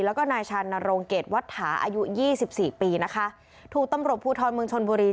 แล้วก็นายชานโรงเกรดวัตถาอายุยี่สิบสี่ปีนะคะถูกตำรวจภูทรเมืองชนบุรี